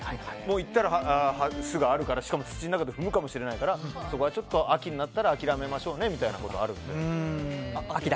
行ったら巣があるからしかも土の中で踏むかもしれないからそこはちょっと秋になったら諦めましょうねみたいなことがあるので。